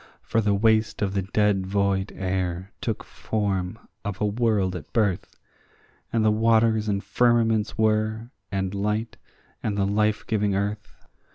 For the waste of the dead void air took form of a world at birth, And the waters and firmaments were, and light, and the life giving earth.